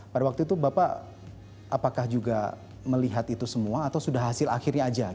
pada waktu itu bapak apakah juga melihat itu semua atau sudah hasil akhirnya aja